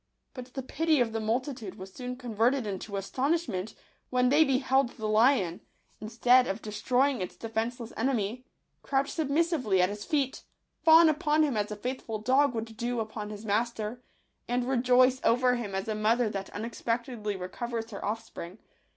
But the pity of the multitude was soon converted into astonishment when they beheld the lion, instead of destroying its de fenceless enemy, crouch submissively at his feet, fawn upon him as a faithful dog would do upon his master, and rejoice over him as a mother that unexpectedly recovers her off spring.